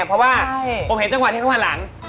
เพราะว่าผมเห็นจังหวะที่เขาหันหลัง